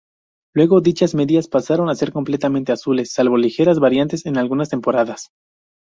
Luego, dichas medias pasaron a ser completamente azules, salvo ligeras variantes en algunas temporadas.